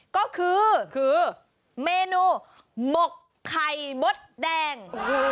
ก็คือคือเมนูหมกไข่มดแดง